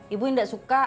ibu tidak suka